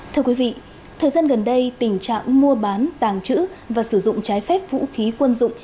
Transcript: thưa quý vị thời gian gần đây tình trạng mua bán tàng trữ và sử dụng trái phép vũ khí quân dụng